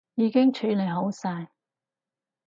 已經處理好晒